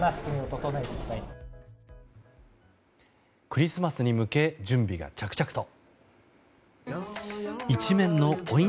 クリスマスに向け準備が着々と。